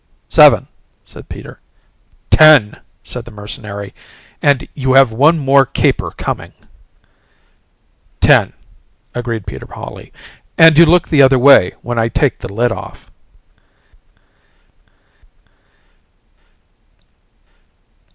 "Seven," said Peter. "Ten," said the mercenary, "and you have one more caper coming." "Ten," agreed Peter Hawley, "and you look the other way when I take the lid off."